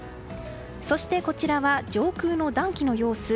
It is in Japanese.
そしてこちらは上空の暖気の様子。